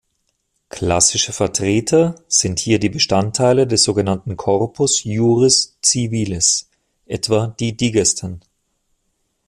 Klassische Vertreter sind hier die Bestandteile des sogenannten Corpus iuris civilis, etwa die Digesten.